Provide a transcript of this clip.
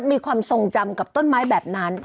มีความทรงจำกับต้นไม้แบบนั้น